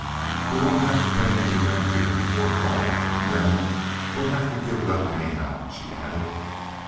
"We won't have to pay any rent here before fall and then we'll have to give it up anyhow," she added.